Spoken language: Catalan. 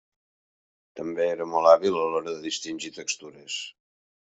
També era molt hàbil a l'hora de distingir textures.